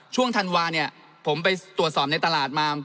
ธันวาเนี่ยผมไปตรวจสอบในตลาดมา